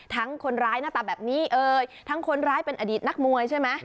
ทั้งคนร้ายหน้าตาแบบนี้ทั้งคนร้ายเป็นอดีตนักมวยใช่มะ